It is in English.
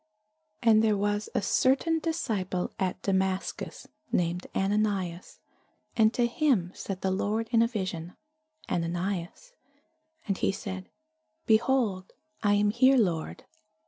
And there was a certain disciple at Damascus, named Ananias; and to him said the Lord in a vision, Ananias. And he said, Behold, I am here, Lord.